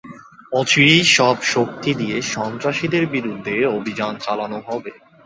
অচিরেই সব শক্তি দিয়ে সন্ত্রাসীদের বিরুদ্ধে অভিযান চালানো হবে।